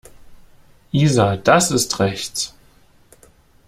Isa, das ist rechts.